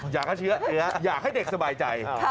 อยากให้เชื้ออยากให้เด็กสบายใจ